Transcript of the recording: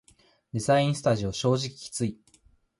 デザインスタジオ正直きつい